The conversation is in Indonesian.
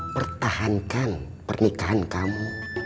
pertahankan pernikahan kamu